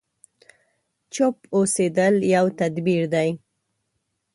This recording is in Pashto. چوپ اوسېدل يو تدبير دی.